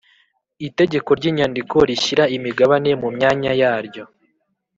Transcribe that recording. Itegeko ry inyandiko rishyira imigabane mumyanya yaryo